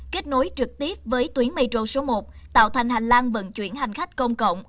kết nối trực tiếp với tuyến metro số một tạo thành hành lang vận chuyển hành khách công cộng